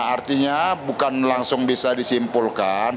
artinya bukan langsung bisa disimpulkan